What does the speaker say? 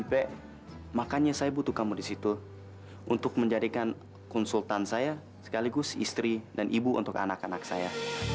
makanya saya butuh kamu di situ untuk menjadikan konsultan saya sekaligus istri dan ibu untuk anak anak saya